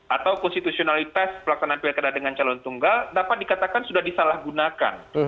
atau konstitusionalitas pelaksanaan pilkada dengan calon tunggal dapat dikatakan sudah disalahgunakan